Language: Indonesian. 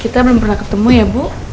kita belum pernah ketemu ya bu